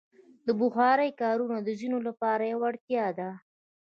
د بخارۍ کارونه د ځینو لپاره یوه اړتیا ده.